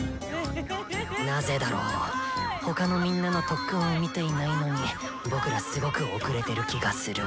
なぜだろう他のみんなの特訓を見ていないのに僕らすごく遅れてる気がする。